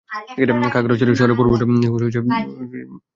খাগড়াছড়ি শহরের পূর্ব শালবন মুসলিম পিসি গ্যাব এলাকা থেকে শনিবার ছবিটি তোলা।